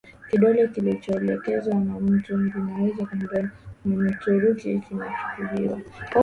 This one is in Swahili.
kidole kilichoelekezwa kwa mtu kinaweza kumkera Mturuki Inachukuliwa